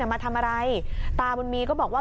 มาทำอะไรตาบุญมีก็บอกว่า